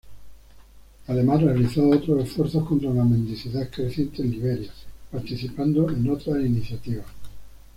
Además realizó otros esfuerzos contra la mendicidad creciente en Liberia, participando en otras iniciativas.